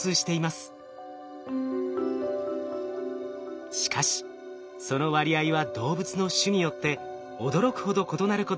しかしその割合は動物の種によって驚くほど異なることが分かってきました。